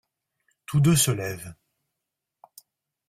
Tous deux se lèvent.